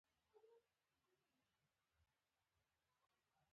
څنګلونه د سیلابونو په مخنیوي کې رغنده رول لري